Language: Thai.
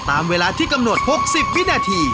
ตามเวลาที่กำหนด๖๐วินาที